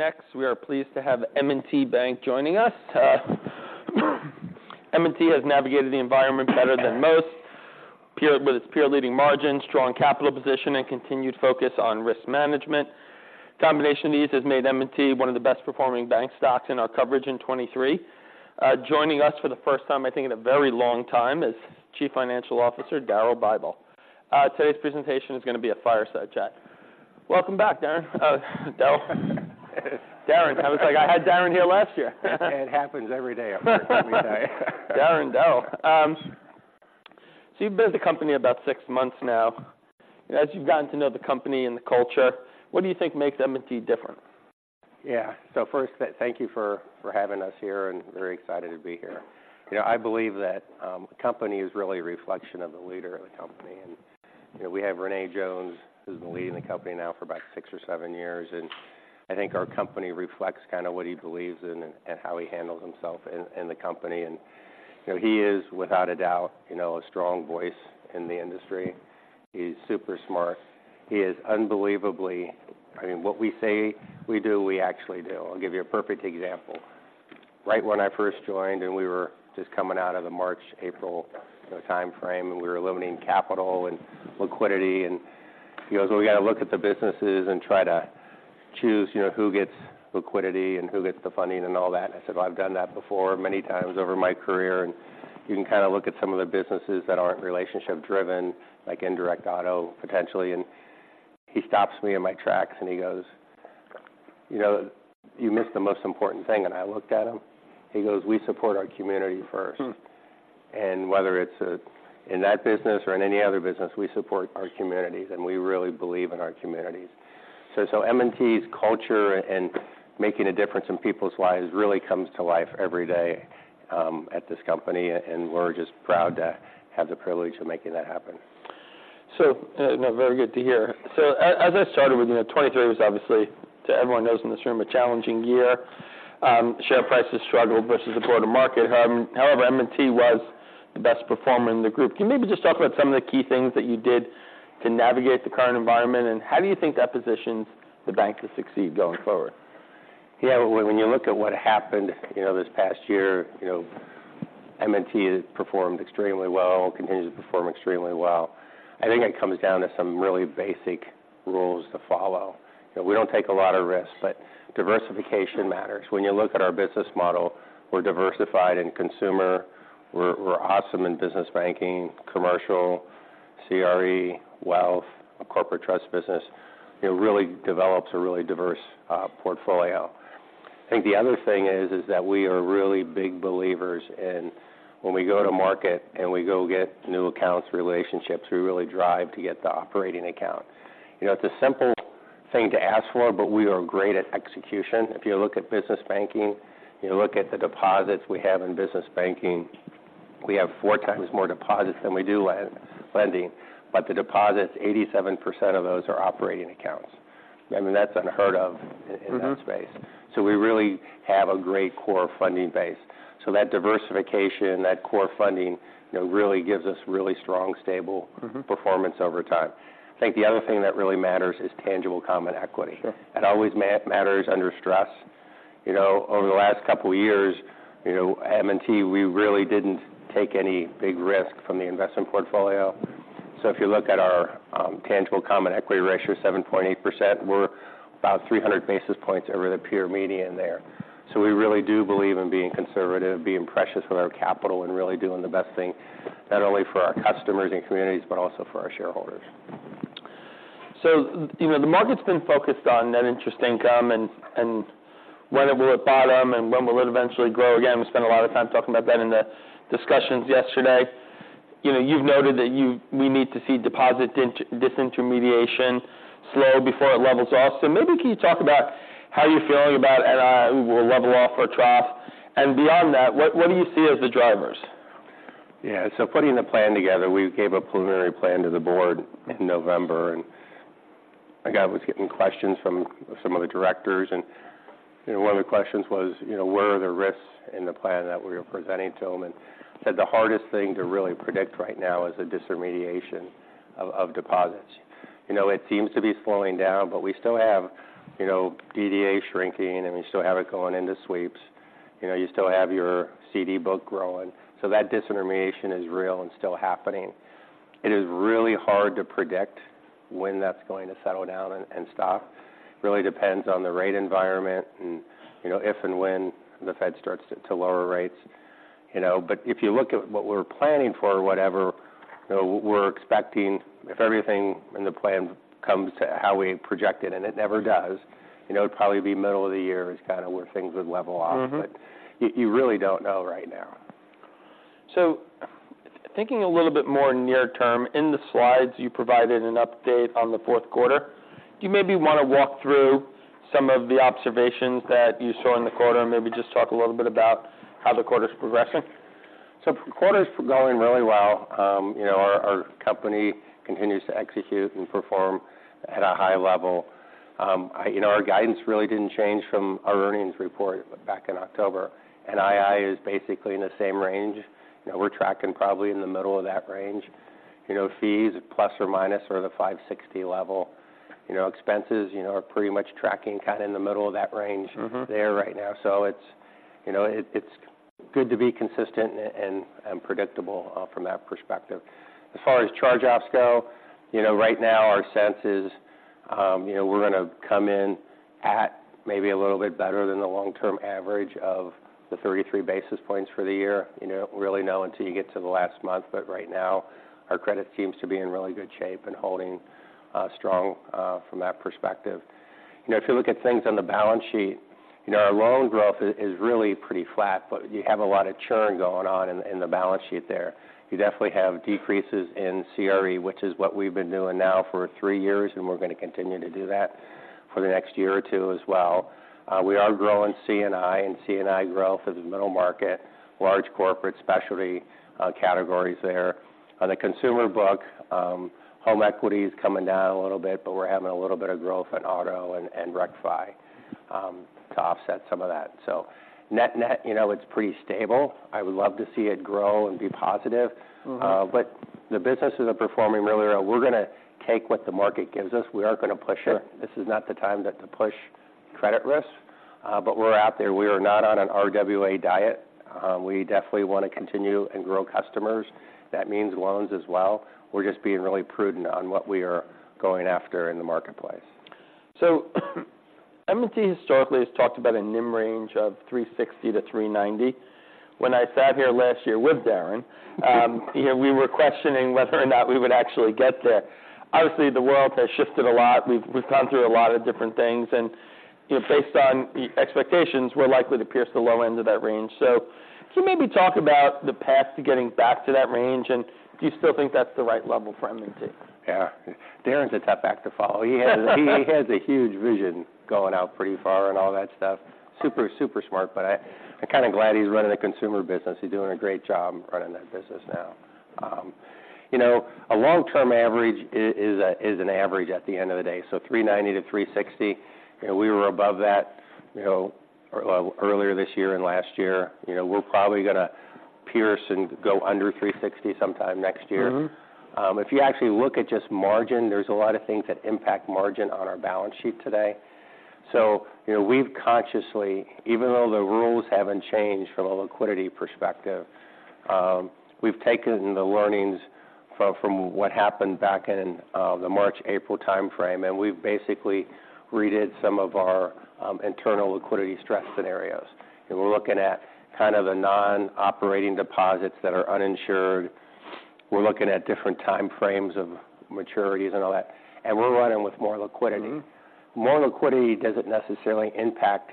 Next, we are pleased to have M&T Bank joining us. M&T has navigated the environment better than most, with its peer-leading margin, strong capital position, and continued focus on risk management. Combination of these has made M&T one of the best-performing bank stocks in our coverage in 2023. Joining us for the first time, I think, in a very long time, is Chief Financial Officer, Daryl Bible. Today's presentation is going to be a fireside chat. Welcome back, Daryl. I was like, I had Daryl here last year. It happens every day almost, let me tell you. Daryl, Daryl. So you've been with the company about six months now. As you've gotten to know the company and the culture, what do you think makes M&T different? Yeah. So first, thank you for having us here, and very excited to be here. You know, I believe that a company is really a reflection of the leader of the company. And, you know, we have René Jones, who's been leading the company now for about six or seven years, and I think our company reflects kind of what he believes in and how he handles himself in the company. And, you know, he is, without a doubt, you know, a strong voice in the industry. He's super smart. He is unbelievably. I mean, what we say we do, we actually do. I'll give you a perfect example. Right when I first joined, and we were just coming out of the March, April timeframe, and we were limiting capital and liquidity, and he goes, "We got to look at the businesses and try to choose, you know, who gets liquidity and who gets the funding and all that." I said, "Well, I've done that before, many times over my career, and you can kind of look at some of the businesses that aren't relationship-driven, like indirect auto, potentially." And he stops me in my tracks and he goes, "You know, you missed the most important thing." And I looked at him. He goes, "We support our community first. Whether it's in that business or in any other business, we support our communities, and we really believe in our communities. So, M&T's culture and making a difference in people's lives really comes to life every day at this company, and we're just proud to have the privilege of making that happen. So, no, very good to hear. So as I started with, you know, 2023 was obviously, to everyone knows in this room, a challenging year. Share prices struggled versus the broader market. However, M&T was the best performer in the group. Can you maybe just talk about some of the key things that you did to navigate the current environment, and how do you think that positions the bank to succeed going forward? Yeah, when you look at what happened, you know, this past year, you know, M&T has performed extremely well, continues to perform extremely well. I think it comes down to some really basic rules to follow. You know, we don't take a lot of risks, but diversification matters. When you look at our business model, we're diversified in consumer, we're awesome in business banking, commercial, CRE, wealth, corporate trust business. It really develops a really diverse portfolio. I think the other thing is that we are really big believers in when we go to market and we go get new accounts, relationships, we really drive to get the operating account. You know, it's a simple thing to ask for, but we are great at execution. If you look at business banking, you look at the deposits we have in business banking, we have four times more deposits than we do lending, but the deposits, 87% of those are operating accounts. I mean, that's unheard of in that space. So we really have a great core funding base. So that diversification, that core funding, you know, really gives us really strong, stable performance over time. I think the other thing that really matters is Tangible Common Equity. Sure. It always matters under stress. You know, over the last couple of years, you know, M&T, we really didn't take any big risk from the investment portfolio. So if you look at our tangible common equity ratio, 7.8%, we're about 300 basis points over the peer median there. So we really do believe in being conservative, being precious with our capital, and really doing the best thing, not only for our customers and communities, but also for our shareholders. So, you know, the market's been focused on net interest income and when it will bottom, and when it will eventually grow again. We spent a lot of time talking about that in the discussions yesterday. You know, you've noted that we need to see deposit disintermediation slow before it levels off. So maybe can you talk about how you're feeling about NII will level off or trough? And beyond that, what do you see as the drivers? Yeah, so putting the plan together, we gave a preliminary plan to the board in November, and I was getting questions from some of the directors, and, you know, one of the questions was, you know, what are the risks in the plan that we were presenting to them? And I said the hardest thing to really predict right now is the disintermediation of deposits. You know, it seems to be slowing down, but we still have, you know, DDA shrinking, and we still have it going into sweeps. You know, you still have your CD book growing. So that disintermediation is real and still happening. It is really hard to predict when that's going to settle down and stop. Really depends on the rate environment and, you know, if and when the Fed starts to lower rates. You know, but if you look at what we're planning for, whatever, you know, we're expecting, if everything in the plan comes to how we project it, and it never does, you know, it'd probably be middle of the year is kind of where things would level off. But you, you really don't know right now. Thinking a little bit more near term, in the slides, you provided an update on the fourth quarter. Do you maybe want to walk through some of the observations that you saw in the quarter, and maybe just talk a little bit about how the quarter's progressing? So the quarter's going really well. You know, our company continues to execute and perform at a high level. You know, our guidance really didn't change from our earnings report back in October. NII is basically in the same range. You know, we're tracking probably in the middle of that range.... you know, fees plus or minus are the $560 level. You know, expenses, you know, are pretty much tracking kind of in the middle of that range. There right now. So it's, you know, it, it's good to be consistent and predictable from that perspective. As far as charge-offs go, you know, right now, our sense is, you know, we're gonna come in at maybe a little bit better than the long-term average of the 33 basis points for the year. You know, really know until you get to the last month, but right now, our credit seems to be in really good shape and holding strong from that perspective. You know, if you look at things on the balance sheet, you know, our loan growth is really pretty flat, but you have a lot of churn going on in the balance sheet there. You definitely have decreases in CRE, which is what we've been doing now for three years, and we're going to continue to do that for the next year or two as well. We are growing C&I, and C&I growth is middle market, large corporate specialty categories there. On the consumer book, home equity is coming down a little bit, but we're having a little bit of growth in auto and Rec Fi to offset some of that. So net-net, you know, it's pretty stable. I would love to see it grow and be positive. But the businesses are performing really well. We're going to take what the market gives us. We aren't going to push it. Sure. This is not the time to push credit risk, but we're out there. We are not on an RWA diet. We definitely want to continue and grow customers. That means loans as well. We're just being really prudent on what we are going after in the marketplace. So, M&T historically has talked about a NIM range of 3.60% to 3.90%. When I sat here last year with Darren, you know, we were questioning whether or not we would actually get there. Obviously, the world has shifted a lot. We've gone through a lot of different things, and, you know, based on the expectations, we're likely to pierce the low end of that range. So can you maybe talk about the path to getting back to that range, and do you still think that's the right level for M&T? Yeah. Darren's a tough act to follow. He has, he has a huge vision going out pretty far and all that stuff. Super, super smart, but I'm kind of glad he's running a consumer business. He's doing a great job running that business now. You know, a long-term average is, is an average at the end of the day. So 3.90% to 3.60%, you know, we were above that, you know, earlier this year and last year. You know, we're probably going to pierce and go under 3.60% sometime next year. If you actually look at just margin, there's a lot of things that impact margin on our balance sheet today. So, you know, we've consciously, even though the rules haven't changed from a liquidity perspective, we've taken the learnings from what happened back in the March, April time frame, and we've basically redid some of our internal liquidity stress scenarios. And we're looking at kind of the non-operating deposits that are uninsured. We're looking at different time frames of maturities and all that, and we're running with more liquidity. More liquidity doesn't necessarily impact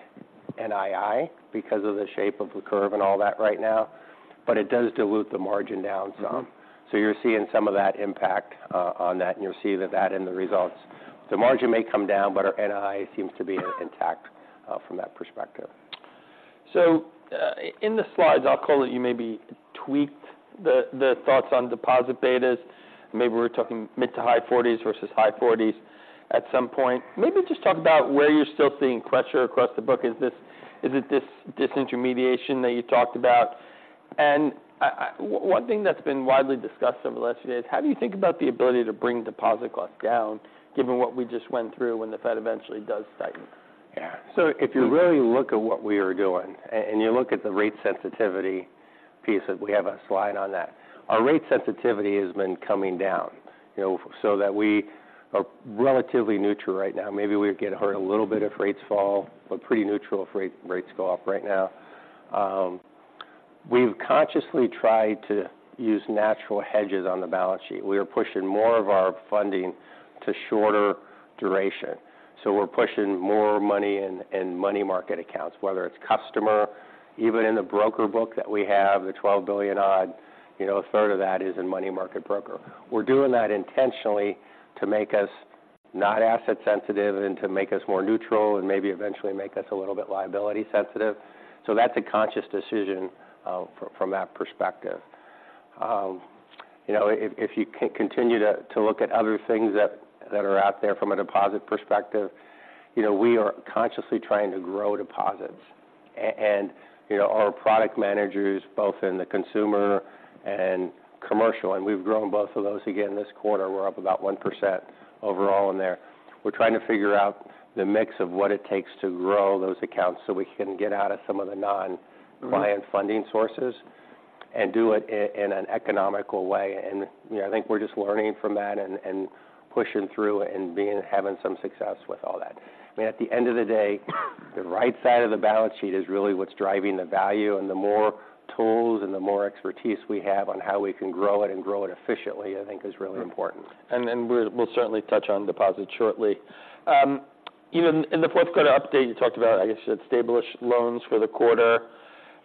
NII because of the shape of the curve and all that right now, but it does dilute the margin down some. So you're seeing some of that impact on that, and you'll see that in the results. The margin may come down, but our NII seems to be intact from that perspective. So, in the slides, I'll call it, you maybe tweaked the thoughts on deposit betas. Maybe we're talking mid- to high 40s versus high 40s at some point. Maybe just talk about where you're still seeing pressure across the book. Is this-- is it this disintermediation that you talked about? And one thing that's been widely discussed over the last few days, how do you think about the ability to bring deposit costs down, given what we just went through when the Fed eventually does tighten? Yeah. So if you really look at what we are doing, and you look at the rate sensitivity piece, that we have a slide on that, our rate sensitivity has been coming down, you know, so that we are relatively neutral right now. Maybe we'd get hurt a little bit if rates fall, but pretty neutral if rates go up right now. We've consciously tried to use natural hedges on the balance sheet. We are pushing more of our funding to shorter duration, so we're pushing more money in money market accounts, whether it's customer, even in the broker book that we have, the $12 billion-odd, you know, a third of that is in money market broker. We're doing that intentionally to make us not asset sensitive and to make us more neutral and maybe eventually make us a little bit liability sensitive. So that's a conscious decision, from that perspective. You know, if you continue to look at other things that are out there from a deposit perspective, you know, we are consciously trying to grow deposits. And, you know, our product managers, both in the consumer and commercial, and we've grown both of those again this quarter, we're up about 1% overall in there. We're trying to figure out the mix of what it takes to grow those accounts so we can get out of some of the non-client. Funding sources and do it in an economical way. And, you know, I think we're just learning from that and pushing through and having some success with all that. I mean, at the end of the day, the right side of the balance sheet is really what's driving the value, and the more tools and the more expertise we have on how we can grow it and grow it efficiently, I think is really important. And then we'll certainly touch on deposits shortly. Even in the fourth quarter update, you talked about, I guess, you had established loans for the quarter.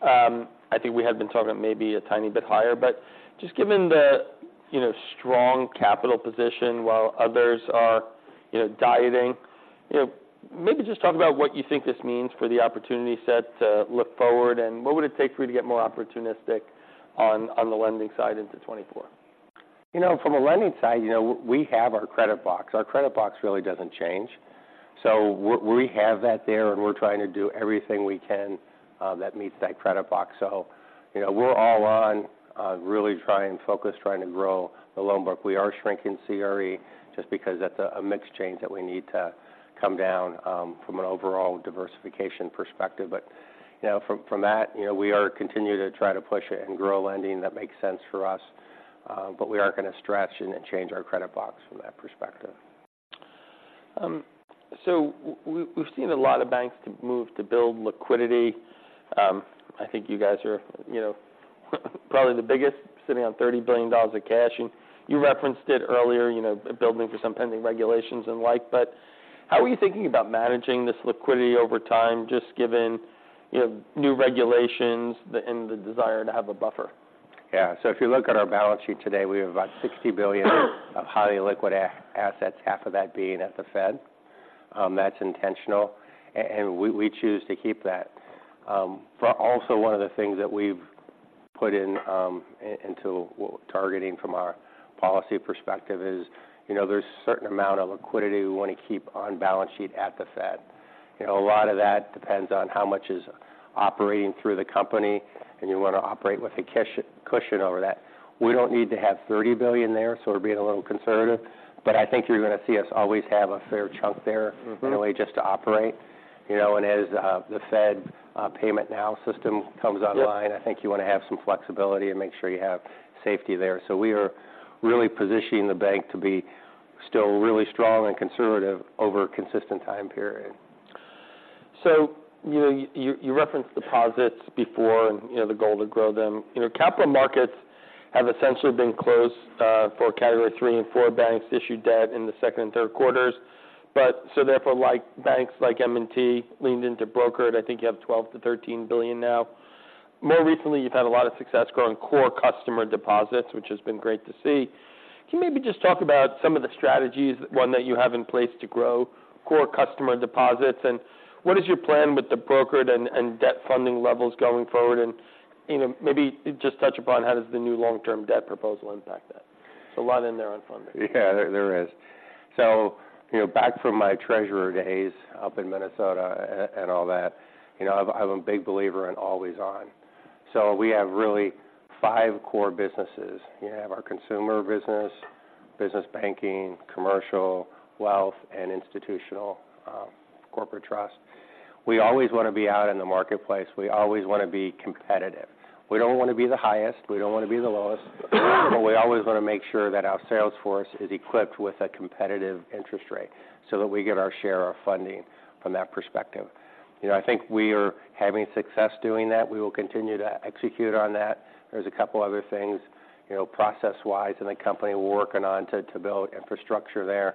I think we had been talking about maybe a tiny bit higher, but just given the, you know, strong capital position while others are, you know, dieting, you know, maybe just talk about what you think this means for the opportunity set to look forward, and what would it take for you to get more opportunistic on the lending side into 2024? You know, from a lending side, you know, we have our credit box. Our credit box really doesn't change... so we have that there, and we're trying to do everything we can that meets that credit box. So, you know, we're all on, really trying to focus, trying to grow the loan book. We are shrinking CRE just because that's a mix change that we need to come down from an overall diversification perspective. But, you know, from that, you know, we are continuing to try to push it and grow lending that makes sense for us, but we aren't going to stretch and then change our credit box from that perspective. So we've seen a lot of banks to move to build liquidity. I think you guys are, you know, probably the biggest, sitting on $30 billion of cash. And you referenced it earlier, you know, building for some pending regulations and like, but how are you thinking about managing this liquidity over time, just given, you know, new regulations and the desire to have a buffer? Yeah. So if you look at our balance sheet today, we have about $60 billion of highly liquid assets, half of that being at the Fed. That's intentional, and we choose to keep that. But also one of the things that we've put in, into what we're targeting from our policy perspective is, you know, there's a certain amount of liquidity we want to keep on balance sheet at the Fed. You know, a lot of that depends on how much is operating through the company, and you want to operate with a cash cushion over that. We don't need to have $30 billion there, so we're being a little conservative, but I think you're going to see us always have a fair chunk there, really just to operate. You know, and as the Fed payment now system comes online- Yep. I think you want to have some flexibility and make sure you have safety there. So we are really positioning the bank to be still really strong and conservative over a consistent time period. So, you know, you referenced deposits before and, you know, the goal to grow them. You know, capital markets have essentially been closed for Category Three/Four banks to issue debt in the second and third quarters. But so therefore, like, banks like M&T leaned into brokered. I think you have $12 billion-$13 billion now. More recently, you've had a lot of success growing core customer deposits, which has been great to see. Can you maybe just talk about some of the strategies, one, that you have in place to grow core customer deposits? And what is your plan with the brokered and debt funding levels going forward? And, you know, maybe just touch upon how does the new long-term debt proposal impact that? There's a lot in there on funding. Yeah, there is. So, you know, back from my treasurer days up in Minnesota and all that, you know, I'm a big believer in always on. So we have really five core businesses. We have our consumer business, business banking, commercial, wealth, and institutional, corporate trust. We always want to be out in the marketplace. We always want to be competitive. We don't want to be the highest, we don't want to be the lowest, but we always want to make sure that our sales force is equipped with a competitive interest rate so that we get our share of funding from that perspective. You know, I think we are having success doing that. We will continue to execute on that. There's a couple other things, you know, process-wise in the company we're working on to build infrastructure there,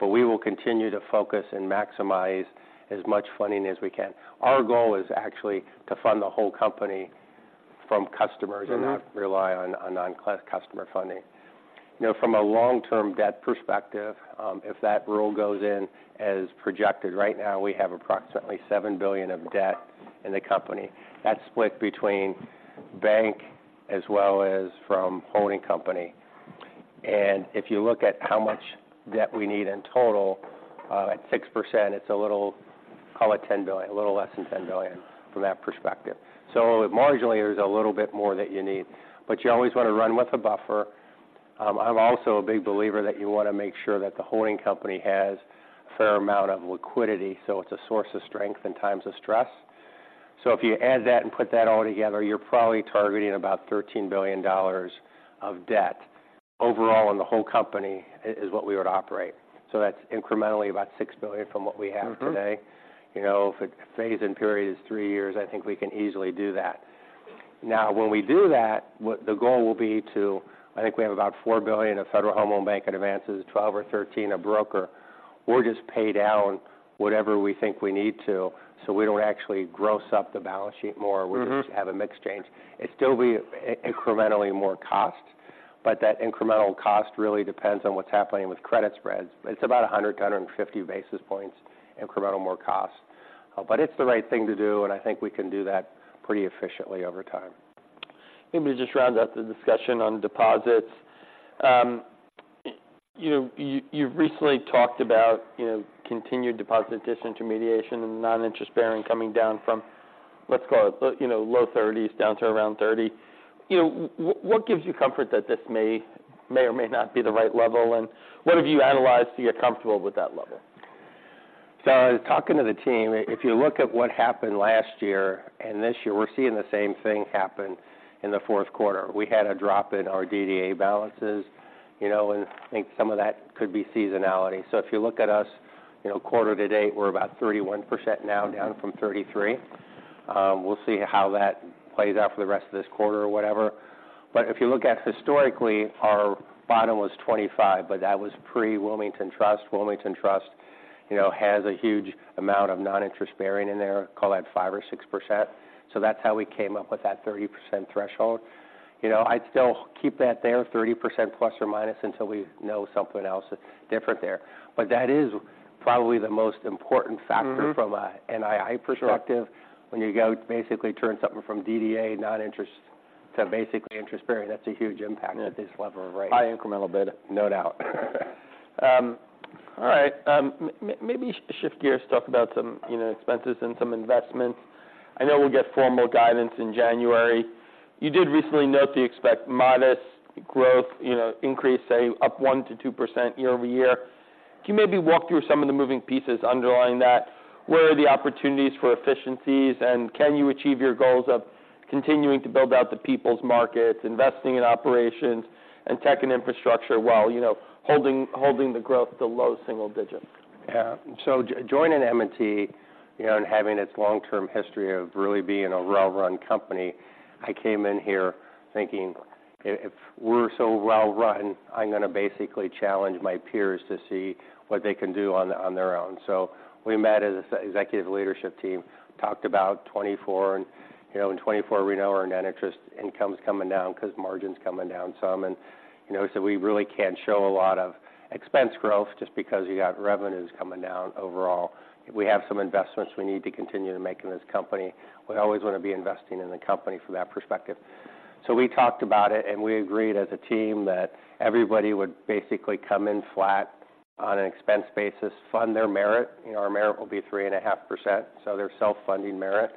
but we will continue to focus and maximize as much funding as we can. Our goal is actually to fund the whole company from customers- and not rely on customer funding. You know, from a long-term debt perspective, if that rule goes in as projected, right now, we have approximately $7 billion of debt in the company. That's split between bank as well as from holding company. And if you look at how much debt we need in total, at 6%, it's a little, call it $10 billion, a little less than $10 billion from that perspective. So marginally, there's a little bit more that you need, but you always want to run with a buffer. I'm also a big believer that you want to make sure that the holding company has a fair amount of liquidity, so it's a source of strength in times of stress. So if you add that and put that all together, you're probably targeting about $13 billion of debt. Overall, in the whole company is what we would operate. So that's incrementally about $6 billion from what we have today. You know, if a phase-in period is 3 years, I think we can easily do that. Now, when we do that, what the goal will be to... I think we have about $4 billion of Federal Home Loan Bank advances, 12 or 13 of broker. We'll just pay down whatever we think we need to, so we don't actually gross up the balance sheet more- We just have a mix change. It's still be incrementally more cost, but that incremental cost really depends on what's happening with credit spreads. It's about 100-150 basis points, incremental more cost. But it's the right thing to do, and I think we can do that pretty efficiently over time. Maybe just round out the discussion on deposits. You, you've recently talked about, you know, continued deposit disintermediation and non-interest bearing coming down from, let's call it, you know, low 30s down to around 30. You know, what gives you comfort that this may or may not be the right level? And what have you analyzed to get comfortable with that level? So I was talking to the team. If you look at what happened last year and this year, we're seeing the same thing happen in the fourth quarter. We had a drop in our DDA balances, you know, and I think some of that could be seasonality. So if you look at us, you know, quarter to date, we're about 31% now, down from 33%. We'll see how that plays out for the rest of this quarter or whatever. But if you look at historically, our bottom was 25%, but that was pre Wilmington Trust. Wilmington Trust, you know, has a huge amount of non-interest bearing in there, call that 5% or 6%. So that's how we came up with that 30% threshold. You know, I'd still keep that there, 30% plus or minus, until we know something else different there. But that is probably the most important factor from a NII perspective. Sure. When you go, basically turn something from DDA, non-interest-... so basically interest bearing, that's a huge impact at this level, right? High incremental bid, no doubt. All right. Maybe shift gears, talk about some, you know, expenses and some investments. I know we'll get formal guidance in January. You did recently note that you expect modest growth, you know, increase, say, up 1% to 2% year-over-year. Can you maybe walk through some of the moving pieces underlying that? Where are the opportunities for efficiencies, and can you achieve your goals of continuing to build out the People's markets, investing in operations, and tech and infrastructure, while, you know, holding the growth to low single digits? Yeah. So joining M&T, you know, and having its long-term history of really being a well-run company, I came in here thinking, "If we're so well-run, I'm going to basically challenge my peers to see what they can do on their own." So we met as a executive leadership team, talked about 2024. And, you know, in 2024, we know our net interest income's coming down because margin's coming down some. And, you know, so we really can't show a lot of expense growth just because you got revenues coming down overall. We have some investments we need to continue to make in this company. We always want to be investing in the company from that perspective. So we talked about it, and we agreed as a team that everybody would basically come in flat on an expense basis, fund their merit. You know, our merit will be 3.5%, so they're self-funding merit.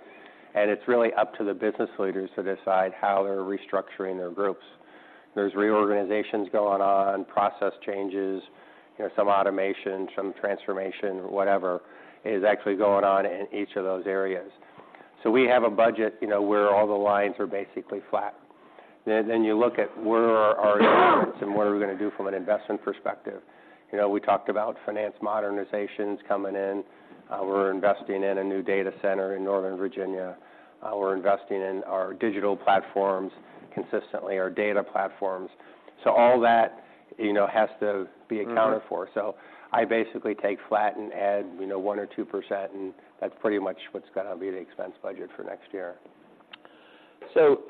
And it's really up to the business leaders to decide how they're restructuring their groups. There's reorganizations going on, process changes, you know, some automation, some transformation, whatever, is actually going on in each of those areas. So we have a budget, you know, where all the lines are basically flat. Then, then you look at where are our and what are we going to do from an investment perspective. You know, we talked about finance modernizations coming in. We're investing in a new data center in Northern Virginia. We're investing in our digital platforms consistently, our data platforms. So all that, you know, has to be accounted for. So I basically take flat and add, you know, 1% or 2%, and that's pretty much what's going to be the expense budget for next year. So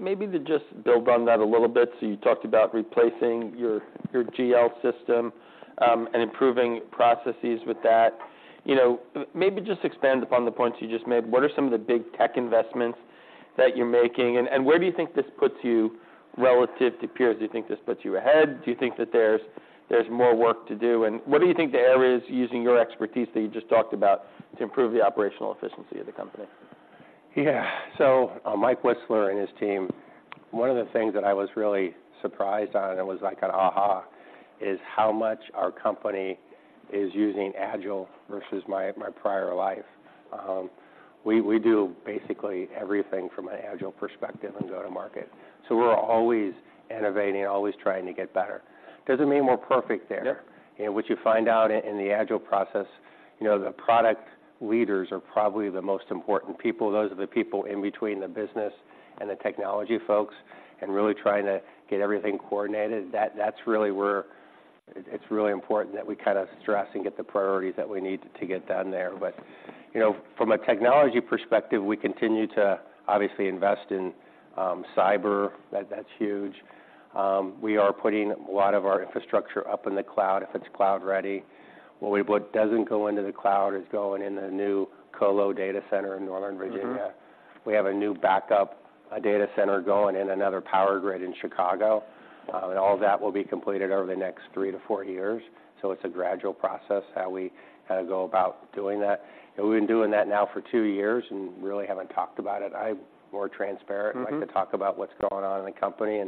maybe to just build on that a little bit. So you talked about replacing your, your GL system, and improving processes with that. You know, maybe just expand upon the points you just made. What are some of the big tech investments that you're making, and, and where do you think this puts you relative to peers? Do you think this puts you ahead? Do you think that there's, there's more work to do? And what do you think the area is, using your expertise that you just talked about, to improve the operational efficiency of the company? Yeah. So, Michael Wisler and his team, one of the things that I was really surprised on, and it was like an aha!, is how much our company is using Agile versus my prior life. We do basically everything from an Agile perspective and go-to-market. So we're always innovating, always trying to get better. Doesn't mean we're perfect there. Yep. What you find out in the Agile process, you know, the product leaders are probably the most important people. Those are the people in between the business and the technology folks, and really trying to get everything coordinated. That's really where it's really important that we kind of stress and get the priorities that we need to get done there. But you know, from a technology perspective, we continue to obviously invest in cyber. That's huge. We are putting a lot of our infrastructure up in the cloud if it's cloud ready. What doesn't go into the cloud is going in the new colo data center in Northern Virginia. We have a new backup, a data center, going in another power grid in Chicago, and all that will be completed over the next three to four years. So it's a gradual process, how we kind of go about doing that. And we've been doing that now for two years and really haven't talked about it. I'm more transparent, I like to talk about what's going on in the company.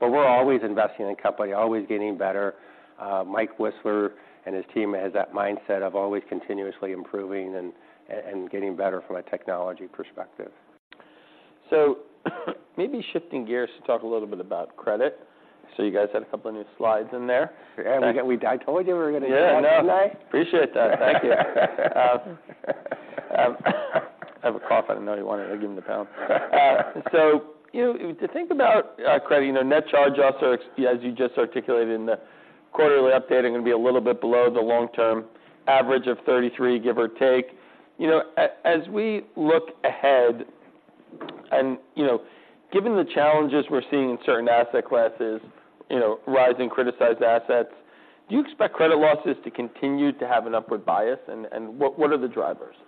But we're always investing in the company, always getting better. Michael Wisler and his team has that mindset of always continuously improving and getting better from a technology perspective. So, maybe shifting gears to talk a little bit about credit. I see you guys had a couple of new slides in there. Yeah, I told you we were going to do that today. Yeah, I know. Appreciate that. Thank you. I have a cough. I didn't know you wanted to give me the pound. So, you know, to think about credit, you know, net chargeoffs are, as you just articulated in the quarterly update, going to be a little bit below the long-term average of 33, give or take. You know, as we look ahead and, you know, given the challenges we're seeing in certain asset classes, you know, rising criticized assets, do you expect credit losses to continue to have an upward bias? And what are the drivers? Yeah.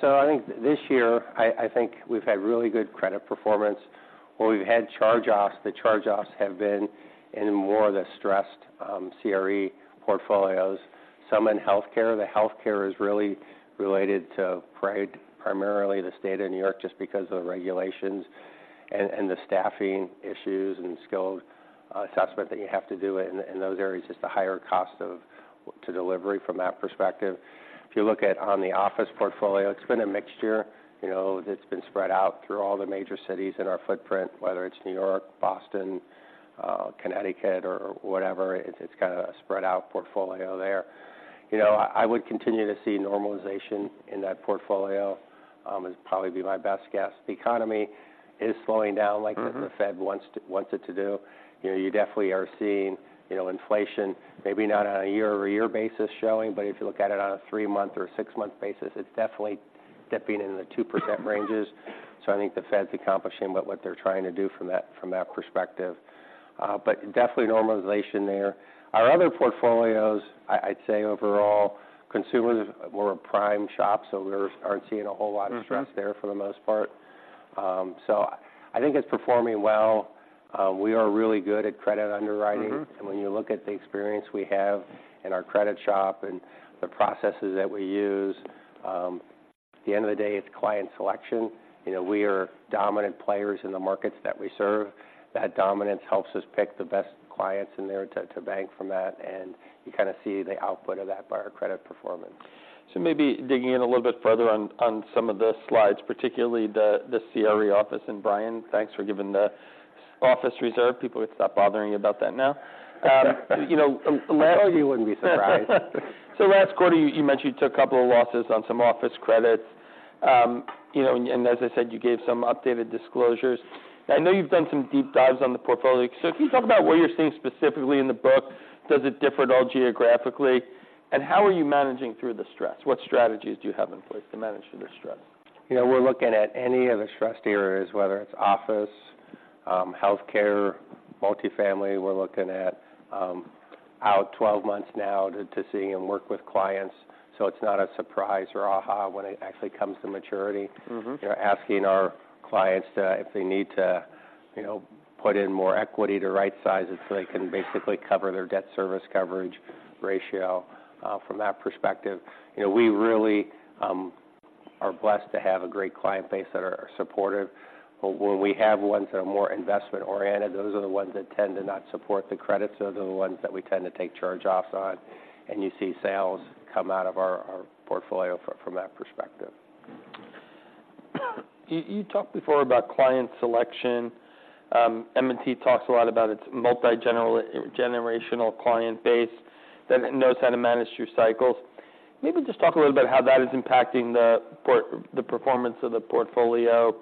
So I think this year, I think we've had really good credit performance, where we've had charge-offs. The charge-offs have been in more of the stressed, CRE portfolios, some in healthcare. The healthcare is really related to primarily the state of New York, just because of the regulations and the staffing issues and skill assessment that you have to do in those areas, just the higher cost of to delivery from that perspective. If you look at on the office portfolio, it's been a mixture, you know, that's been spread out through all the major cities in our footprint, whether it's New York, Boston, Connecticut or whatever. It's kind of a spread out portfolio there. You know, I would continue to see normalization in that portfolio is probably be my best guess. The economy is slowing down, like- The Fed wants it to do. You know, you definitely are seeing, you know, inflation, maybe not on a year-over-year basis showing, but if you look at it on a three-month or six-month basis, it's definitely dipping in the 2% ranges. So I think the Fed's accomplishing what they're trying to do from that, from that perspective. But definitely normalization there. Our other portfolios, I'd say overall, consumers were a prime shop, so we aren't seeing a whole lot of. Stress there for the most part. I think it's performing well. We are really good at credit underwriting.. When you look at the experience we have in our credit shop and the processes that we use, at the end of the day, it's client selection. You know, we are dominant players in the markets that we serve. That dominance helps us pick the best clients in there to bank from that, and you kind of see the output of that by our credit performance. So maybe digging in a little bit further on some of the slides, particularly the CRE office. And, Brian, thanks for giving the office reserve. People could stop bothering you about that now. You know, last- Oh, you wouldn't be surprised. So last quarter, you mentioned you took a couple of losses on some office credits. You know, and as I said, you gave some updated disclosures. I know you've done some deep dives on the portfolio. So can you talk about what you're seeing specifically in the book? Does it differ at all geographically, and how are you managing through the stress? What strategies do you have in place to manage through the stress? You know, we're looking at any of the stressed areas, whether it's office, healthcare, multifamily. We're looking at out 12 months now to seeing and work with clients, so it's not a surprise or aha when it actually comes to maturity. You know, asking our clients to, if they need to, you know, put in more equity to right-size it, so they can basically cover their Debt Service Coverage Ratio from that perspective. You know, we really are blessed to have a great client base that are supportive. But when we have ones that are more investment-oriented, those are the ones that tend to not support the credits. So they're the ones that we tend to take charge-offs on, and you see sales come out of our portfolio from that perspective. You talked before about client selection. M&T talks a lot about its multigenerational client base, that it knows how to manage through cycles. Maybe just talk a little bit how that is impacting the performance of the portfolio,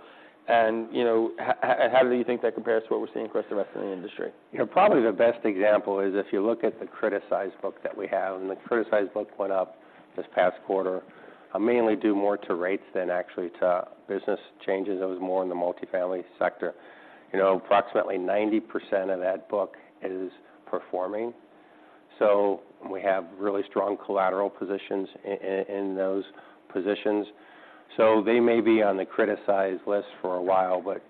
and, you know, how do you think that compares to what we're seeing across the rest of the industry? You know, probably the best example is if you look at the criticized book that we have, and the criticized book went up this past quarter, mainly due more to rates than actually to business changes. It was more in the multifamily sector. You know, approximately 90% of that book is performing, so we have really strong collateral positions in those positions. So they may be on the criticized list for a while, but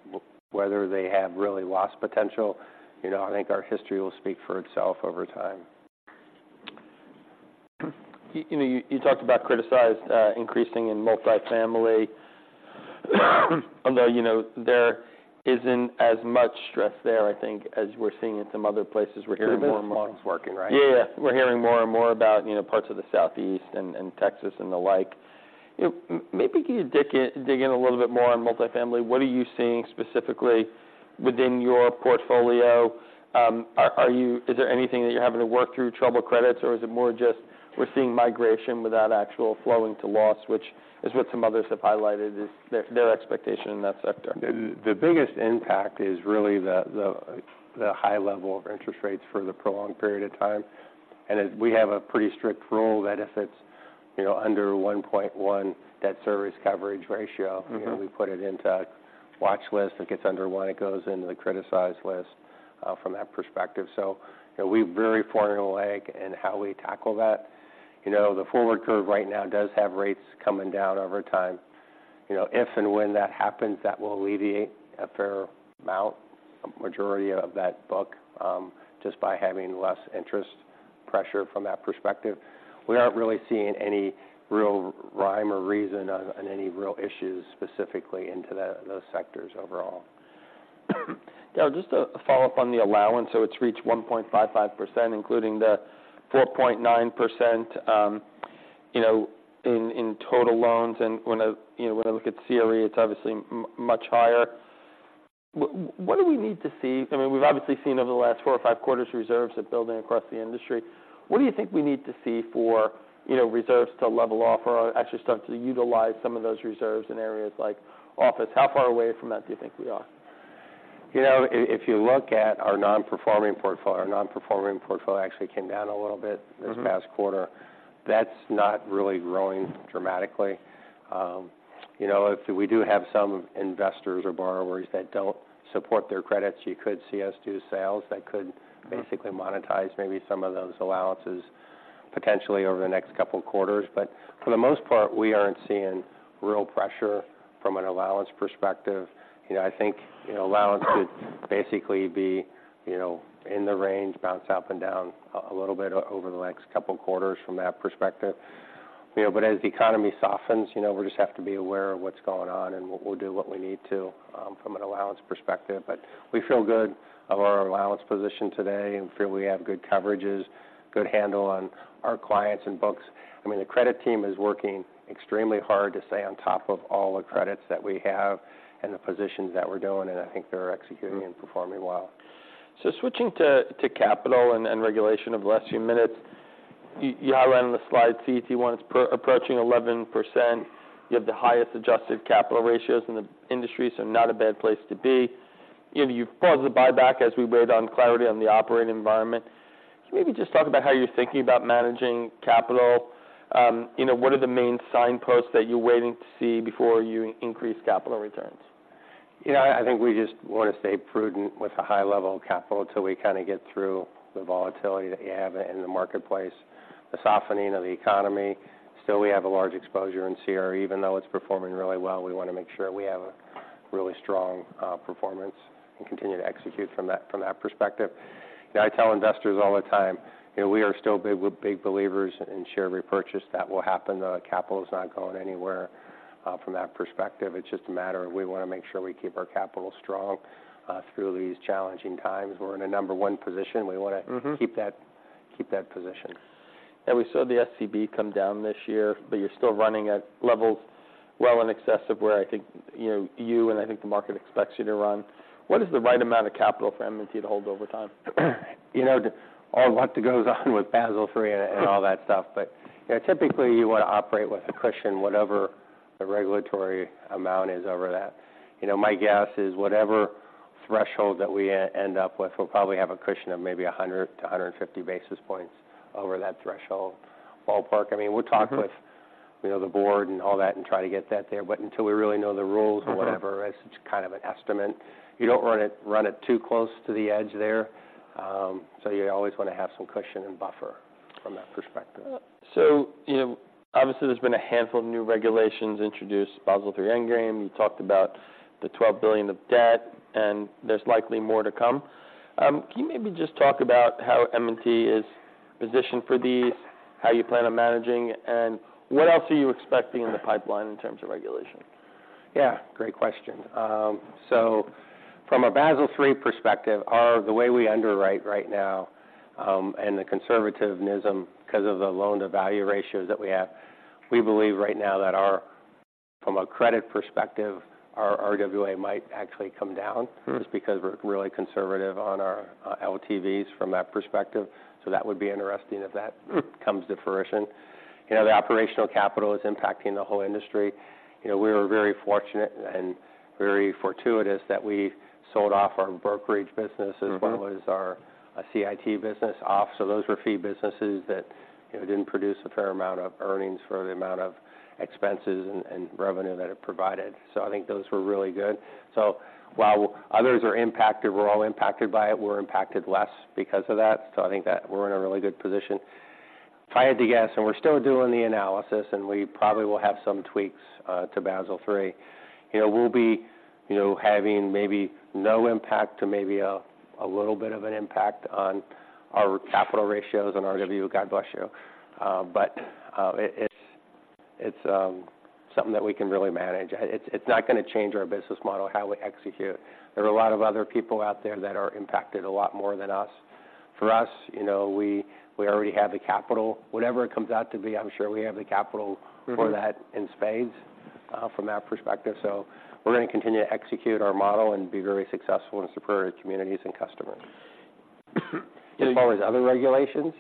whether they have really lost potential, you know, I think our history will speak for itself over time. You know, you talked about criticized increasing in multifamily. Although, you know, there isn't as much stress there, I think, as we're seeing in some other places, we're hearing more and more. It's working, right? Yeah, yeah. We're hearing more and more about, you know, parts of the Southeast and Texas and the like. You know, maybe can you dig in, dig in a little bit more on multifamily? What are you seeing specifically within your portfolio? Is there anything that you're having to work through troubled credits, or is it more just we're seeing migration without actual flowing to loss, which is what some others have highlighted is their expectation in that sector? The biggest impact is really the high level of interest rates for the prolonged period of time. And as we have a pretty strict rule that if it's, you know, under 1.1 Debt Service Coverage Ratio, we put it into a watch list. If it gets under one, it goes into the criticized list from that perspective. So, you know, we very rigorously in how we tackle that. You know, the forward curve right now does have rates coming down over time. You know, if and when that happens, that will alleviate a fair amount, a majority of that book just by having less interest pressure from that perspective. We aren't really seeing any real rhyme or reason on any real issues, specifically into those sectors overall. Yeah, just a follow-up on the allowance. So it's reached 1.55%, including the 4.9%, you know, in total loans. And when I, you know, when I look at CRE, it's obviously much higher. What do we need to see? I mean, we've obviously seen over the last four or five quarters, reserves are building across the industry. What do you think we need to see for, you know, reserves to level off or actually start to utilize some of those reserves in areas like office? How far away from that do you think we are? You know, if you look at our non-performing portfolio, our non-performing portfolio actually came down a little bit. this past quarter. That's not really growing dramatically. You know, if we do have some investors or borrowers that don't support their credits, you could see us do sales that could- Basically monetize maybe some of those allowances, potentially over the next couple of quarters. But for the most part, we aren't seeing real pressure from an allowance perspective. You know, I think, you know, allowance would basically be, you know, in the range, bounce up and down a little bit over the next couple of quarters from that perspective. You know, but as the economy softens, you know, we just have to be aware of what's going on, and we'll do what we need to from an allowance perspective. But we feel good of our allowance position today and feel we have good coverages, good handle on our clients and books. I mean, the credit team is working extremely hard to stay on top of all the credits that we have and the positions that we're doing, and I think they're executing and performing well. So switching to capital and regulation of the last few minutes. You have it on the slide, CET1 is approaching 11%. You have the highest adjusted capital ratios in the industry, so not a bad place to be. You know, you've paused the buyback as we wait on clarity on the operating environment... Maybe just talk about how you're thinking about managing capital. You know, what are the main signposts that you're waiting to see before you increase capital returns? You know, I think we just want to stay prudent with a high level of capital until we kind of get through the volatility that you have in the marketplace, the softening of the economy. Still, we have a large exposure in CRE, even though it's performing really well. We want to make sure we have a really strong performance and continue to execute from that, from that perspective. I tell investors all the time, you know, we are still big, big believers in share repurchase. That will happen. The capital is not going anywhere from that perspective. It's just a matter of we want to make sure we keep our capital strong through these challenging times. We're in a number one position. We want to- Keep that, keep that position. We saw the SCB come down this year, but you're still running at levels well in excess of where I think, you know, you and I think the market expects you to run. What is the right amount of capital for M&T to hold over time? You know, a lot goes on with Basel III and all that stuff, but you know, typically, you want to operate with a cushion, whatever the regulatory amount is over that. You know, my guess is whatever threshold that we end up with, we'll probably have a cushion of maybe 100 to 150 basis points over that threshold. Ballpark, I mean, we'll talk with you know, the board and all that and try to get that there, but until we really know the rules or whatever. It's just kind of an estimate. You don't want to run it too close to the edge there, so you always want to have some cushion and buffer from that perspective. So, you know, obviously, there's been a handful of new regulations introduced, Basel III Endgame. You talked about the $12 billion of debt, and there's likely more to come. Can you maybe just talk about how M&T is positioned for these, how you plan on managing it, and what else are you expecting in the pipeline in terms of regulation? Yeah, great question. So from a Basel III perspective, our, the way we underwrite right now, and the conservativism, because of the loan-to-value ratios that we have, we believe right now that our, from a credit perspective, our RWA might actually come down- Just because we're really conservative on our LTVs from that perspective. So that would be interesting if that comes to fruition. You know, the operational capital is impacting the whole industry. You know, we were very fortunate and very fortuitous that we sold off our brokerage business. as well as our CIT business off. So those were fee businesses that, you know, didn't produce a fair amount of earnings for the amount of expenses and revenue that it provided. So I think those were really good. So while others are impacted, we're all impacted by it, we're impacted less because of that. So I think that we're in a really good position. If I had to guess, and we're still doing the analysis, and we probably will have some tweaks to Basel III, you know, we'll be having maybe no impact to maybe a little bit of an impact on our capital ratios and RWA. God bless you. But it, it's something that we can really manage. It's not going to change our business model, how we execute. There are a lot of other people out there that are impacted a lot more than us. For us, you know, we already have the capital. Whatever it comes out to be, I'm sure we have the capitalfor that in spades, from that perspective. So we're going to continue to execute our model and be very successful and support our communities and customers. As far as other regulations.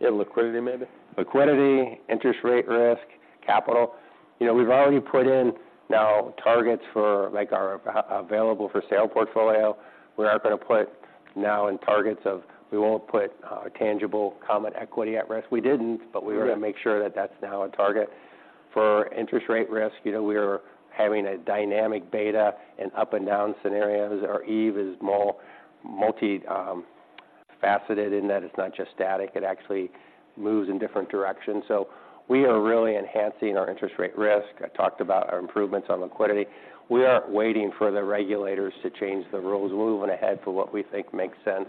Yeah, liquidity maybe. Liquidity, interest rate risk, capital. You know, we've already put in now targets for, like, our Available for Sale portfolio. We are going to put now in targets of we won't put tangible common equity at risk. We didn't. Right But we were going to make sure that that's now a target. For interest rate risk, you know, we are having a dynamic beta and up and down scenarios. Our EVE is more multi-faceted in that it's not just static, it actually moves in different directions. So we are really enhancing our interest rate risk. I talked about our improvements on liquidity. We are waiting for the regulators to change the rules. We're moving ahead for what we think makes sense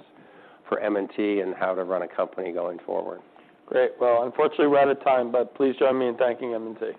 for M&T and how to run a company going forward. Great. Well, unfortunately, we're out of time, but please join me in thanking M&T.